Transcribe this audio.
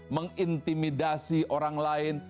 mengintimidasi orang lain